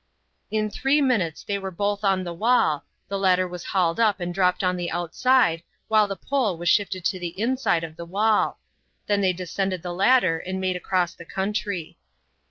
In three minutes they were both on the wall, the ladder was hauled up and dropped on the outside, while the pole was shifted to the inside of the wall; then they descended the ladder and made across the country.